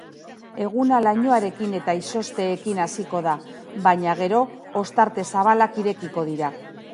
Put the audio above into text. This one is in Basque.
Eguna lainoarekin eta izozteekin hasiko da, baina gero ostarte zabalak irekiko dira.